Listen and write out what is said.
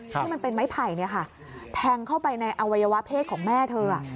ที่มันเป็นไม้ไผ่แทงเข้าไปในอวัยวะเพศของแม่เธอ